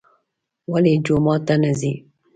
ولې جومات ته نه ځي.